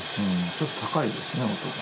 ちょっと高いですね音が。